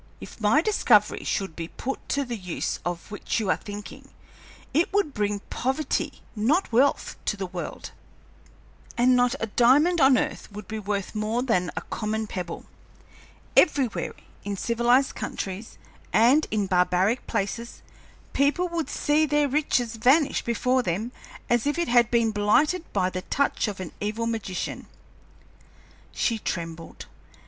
If my discovery should be put to the use of which you are thinking, it would bring poverty, not wealth, to the world, and not a diamond on earth would be worth more than a common pebble. Everywhere, in civilized countries and in barbaric palaces, people would see their riches vanish before them as if it had been blighted by the touch of an evil magician." She trembled.